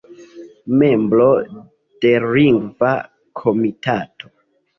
Membro de Lingva Komitato.